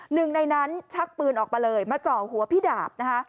หนึ่งในนั้นชักปืนออกมาเลยมาเจาะหัวพี่ดาบนะคะ